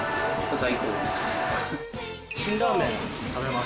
最高です。